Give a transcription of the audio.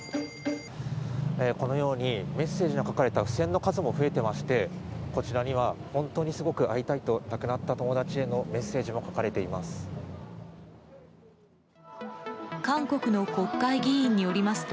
このようにメッセージが書かれた付箋の数も増えていまして、こちらには本当にすごく会いたいと亡くなった友達へのメッセージも書かれています。